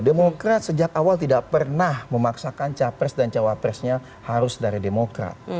demokrat sejak awal tidak pernah memaksakan cawa press dan cawa pressnya harus dari demokrat